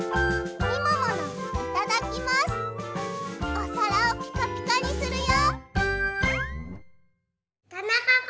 おさらをピカピカにするよ。